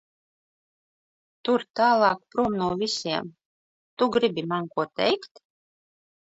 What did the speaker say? Tur tālāk prom no visiem. Tu gribi man ko teikt?